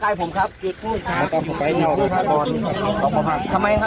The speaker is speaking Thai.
กรมป้องกันแล้วก็บรรเทาสาธารณภัยนะคะ